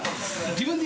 自分で。